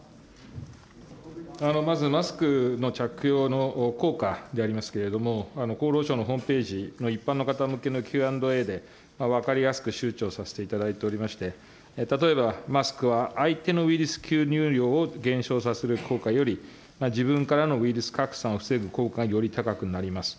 まずマスクの着用の効果でございますけれども、厚労省のホームページの一般の方のＱ＆Ａで分かりやすく周知をさせていただいておりまして、例えば、マスクは相手のウイルス吸入量を減少させる効果より、自分からのウイルス拡散を防ぐ効果がより高くなります。